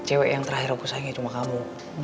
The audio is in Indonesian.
cewek yang terakhir aku sayangi cuma kamu